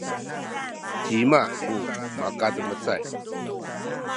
cima ku makademecay?